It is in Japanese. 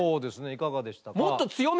いかがでしたか？